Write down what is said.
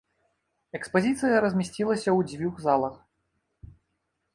Экспазіцыя размясцілася ў дзвюх залах.